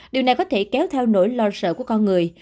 điều này có thể kéo theo nỗi lo sợ của con người